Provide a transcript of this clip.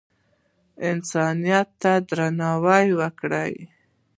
انسانیت ته درناوی وکړئ